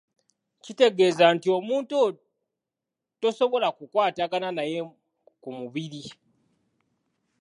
Kitegeeza nti omuntu oyo tosobola kukwatagana naye ku mubiri.